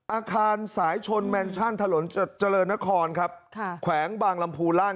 อาคารสายชนแมนชั่นถนนเจริญนครครับค่ะแขวงบางลำพูล่าน